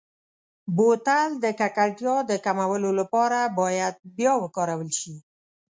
بوتل د ککړتیا د کمولو لپاره باید بیا وکارول شي.